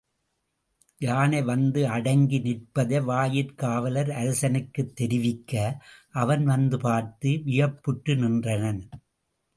யானை வந்து அடங்கி நிற்பதை வாயிற் காவலர் அரசனுக்குத் தெரிவிக்க, அவன் வந்து பார்த்து வியப்புற்று நின்றனன்.